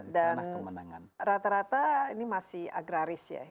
dan rata rata ini masih agraris ya